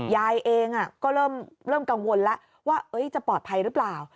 ยายเองก็เริ่มกังวลแล้วว่าจะปลอดภัยหรือเปล่า